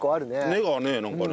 根がねなんかね。